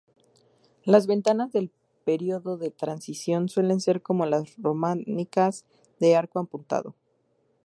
Las ventanas del periodo de transición suelen ser como las románicas de arco apuntado.